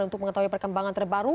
untuk mengetahui perkembangan terbaru